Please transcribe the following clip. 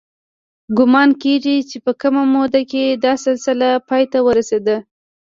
ګومان کېږي چې په کمه موده کې دا سلسله پای ته ورسېده